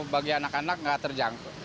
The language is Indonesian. bagi anak anak tidak terjangkau